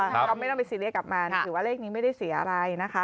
เขาไม่ต้องไปซีเรียสกับมันหรือว่าเลขนี้ไม่ได้เสียอะไรนะคะ